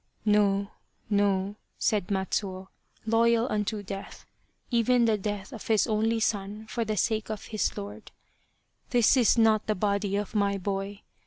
" No, no," said Matsuo, loyal unto death, even the death of his only son for the sake of his lord, " this is not the body of my boy.